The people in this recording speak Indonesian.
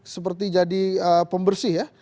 seperti jadi pembersih ya